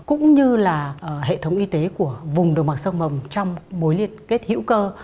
cũng như là hệ thống y tế của vùng đồng bằng sông hồng trong mối liên kết hữu cơ